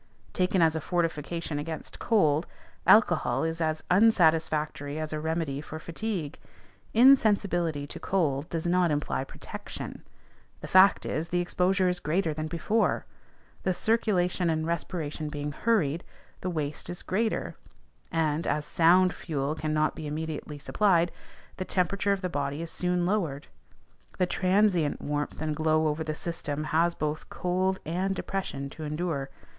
Taken as a fortification against cold, alcohol is as unsatisfactory as a remedy for fatigue. Insensibility to cold does not imply protection. The fact is, the exposure is greater than before; the circulation and respiration being hurried, the waste is greater; and, as sound fuel cannot be immediately supplied, the temperature of the body is soon lowered. The transient warmth and glow over the system has both cold and depression to endure.